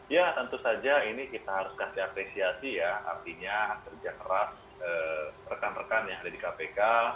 ya tentu saja ini kita harus kasih apresiasi ya artinya kerja keras rekan rekan yang ada di kpk